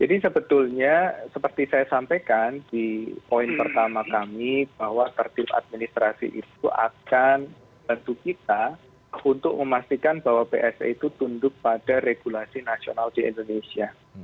jadi sebetulnya seperti saya sampaikan di poin pertama kami bahwa tertib administrasi itu akan membantu kita untuk memastikan bahwa psa itu tunduk pada regulasi nasional di indonesia